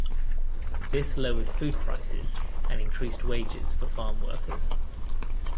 This lowered food prices and increased wages for farm workers.